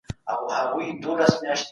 د محتوا له مخي څېړني بېلابېلې برخې لري.